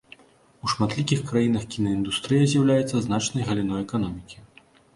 У шматлікіх краінах кінаіндустрыя з'яўляецца значнай галіной эканомікі.